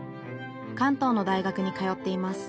関東の大学に通っています。